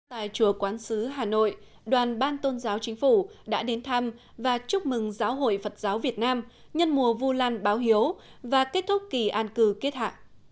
tại chùa quán sứ hà nội đoàn ban tôn giáo chính phủ đã đến thăm và chúc mừng giáo hội phật giáo việt nam nhân mùa vu lan báo hiếu và kết thúc kỳ an cư kết hạ